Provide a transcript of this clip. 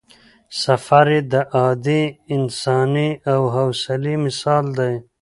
سفر یې د عادي انسان د حوصلې مثال دی.